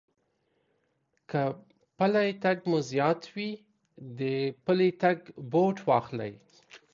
که پٔلی تگ مو زيات وي، د پلي تگ بوټ واخلئ.